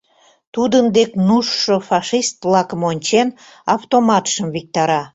Тудын дек нушшо фашист-влакым ончен, автоматшым виктара.